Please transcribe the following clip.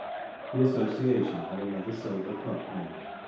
The Association had another silver Cup made.